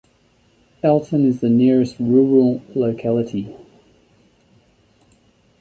Elton is the nearest rural locality.